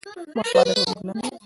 ماشومان د ټولنې ګلان دي.